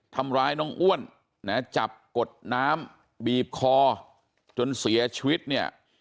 ทำร้ายน้องอ้วนนะจับกดน้ำบีบคอจนเสียชีวิตเนี่ย